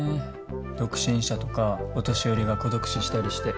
独身者とかお年寄りが孤独死したりして。